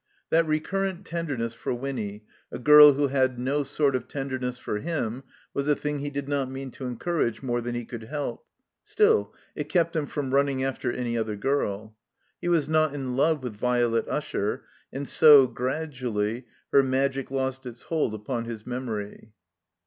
That recurrent tenderness for Winny, a girl who had no sort of tenderness for him, was a thing he did not mean to encourage more than he could help. Still, it kept him from running after any other girl. He was not in love with Violet Usher, and so, gradually, her magic lost its hold upon his memory.